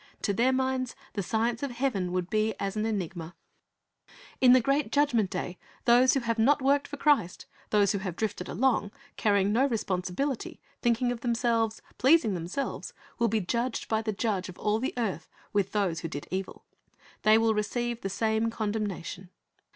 To their minds the science of heaven would be as an enigma. In the great Judgment day those who have not worked for Christ, those who have drifted along, carr\ ing no responsibility, thinking of themselves, pleasing themselves, will be placed by the Judge of all the earth with those who did evil. They receive the same condemnation.